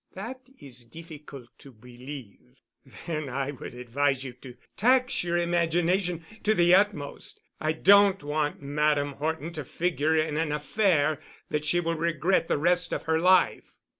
"That is difficult to believe." "Then I would advise you to tax your imagination to the utmost. I don't want Madame Horton to figure in an affair that she will regret the rest of her life."